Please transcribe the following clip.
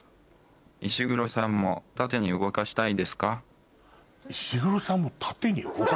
「石黒さんもタテに動かしたいですか？」。